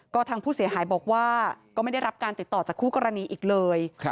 ก็ทางผู้เสียหายบอกว่าก็ไม่ได้รับการติดต่อจากคู่กรณีอีกเลย